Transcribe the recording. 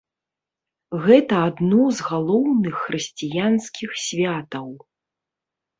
Гэта адно з галоўных хрысціянскіх святаў.